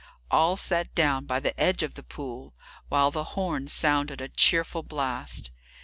All sat down by the edge of the pool, while the horn sounded a cheerful blast.